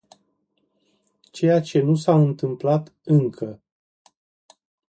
Ceea ce nu s-a întâmplat încă.